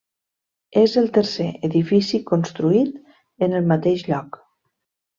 És el tercer edifici construït en el mateix lloc.